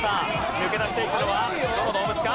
抜け出していくのはどの動物か？